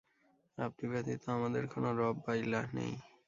আপনি ব্যতীত আমাদের কোন রব বা ইলাহ নেই।